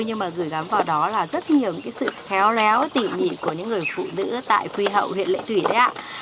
nhưng mà gửi khám vào đó là rất nhiều cái sự khéo léo tỉ nhị của những người phụ nữ tại quy hầu huyện lệ thủy đấy ạ